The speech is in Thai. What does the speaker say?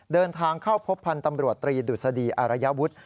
เดินทางเข้าพบพันธ์ตำรวจตรีดุษฎีอารยาวุฒิ